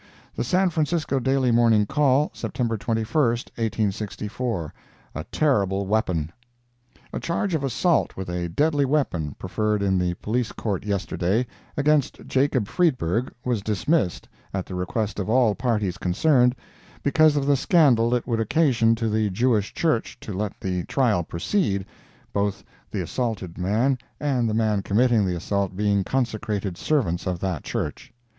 The San Francisco Daily Morning Call, September 21, 1864 A TERRIBLE WEAPON A charge of assault with a deadly weapon, preferred in the Police Court yesterday, against Jacob Friedberg, was dismissed, at the request of all parties concerned, because of the scandal it would occasion to the Jewish Church to let the trial proceed, both the assaulted man and the man committing the assault being consecrated servants of that Church.